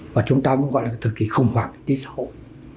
và chúng ta cũng gọi là thời kỳ khủng hoảng kinh tế xã hội